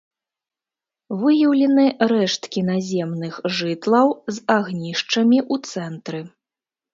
Выяўлены рэшткі наземных жытлаў з агнішчамі ў цэнтры.